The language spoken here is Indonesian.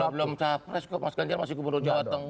belum capres kok mas ganjar masih gubernur jawa tengah